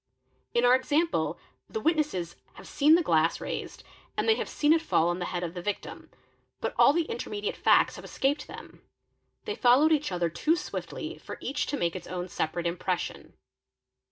In our example the witnesses have seen the glass raised and they have seen it fall on the head of the victim but all the intermediate facts have escaped them ; they followed each other too swiftly for each to make its own separate impression.